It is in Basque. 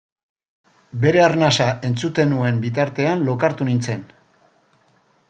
Bere arnasa entzuten nuen bitartean lokartu nintzen.